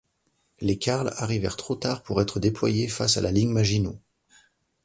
Les Karl arrivèrent trop tard pour être déployés face à la ligne Maginot.